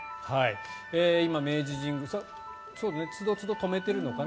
今、明治神宮つどつど止めてるのかな？